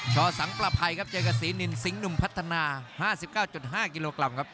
อสังประภัยครับเจอกับศรีนินสิงหนุ่มพัฒนา๕๙๕กิโลกรัมครับ